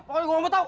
pokoknya gue mau tau